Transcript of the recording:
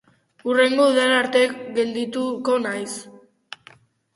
Hurrengo udara arte geldituko naiz.